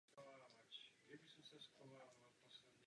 Budova byla během války v Kosovu těžce poškozená.